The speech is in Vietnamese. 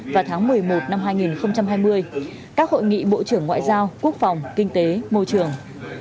vào tháng một mươi một năm hai nghìn hai mươi các hội nghị bộ trưởng ngoại giao quốc phòng kinh tế môi trường